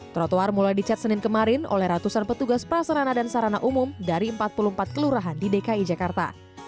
trotoar mulai dicat senin kemarin oleh ratusan petugas prasarana dan sarana umum dari empat puluh empat kelurahan di dki jakarta